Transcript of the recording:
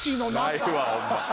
ないわホンマ。